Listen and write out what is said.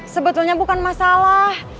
sebetulnya bukan masalah